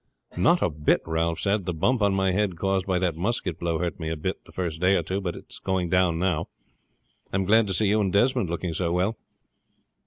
"Not a bit," Ralph said. "The bump on my head caused by that musket blow hurt me a bit the first day or two, but it's going down now. I am glad to see you and Desmond looking so well."